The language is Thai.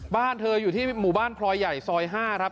บ้านเธออยู่ที่หมู่บ้านพลอยใหญ่ซอย๕ครับ